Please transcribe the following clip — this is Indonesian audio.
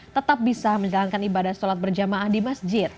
tetap bisa menjalankan ibadah sholat berjamaah di masjid